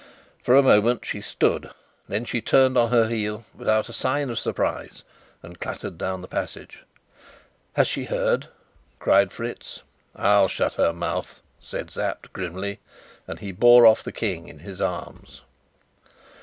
For a moment she stood, then she turned on her heel, without a sign of surprise, and clattered down the passage. "Has she heard?" cried Fritz. "I'll shut her mouth!" said Sapt grimly, and he bore off the King in his arms.